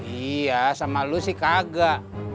iya sama lu sih kagak